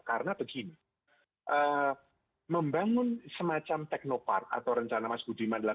karena begini membangun semacam teknopark atau rencana mas budiman adalah